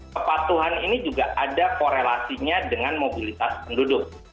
kepatuhan ini juga ada korelasinya dengan mobilitas penduduk